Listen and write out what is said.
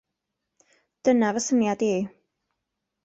Dyna fy syniad i.